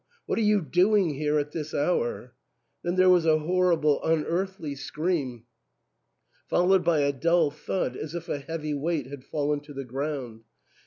what are you doing here at this hour ?" Then there was a horrible unearthly scream, followed by a dull thud as if a heavy weight had fallen to the ground.